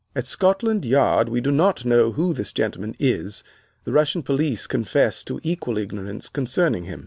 At Scotland Yard we do not know who this gentleman is; the Russian police confess to equal ignorance concerning him.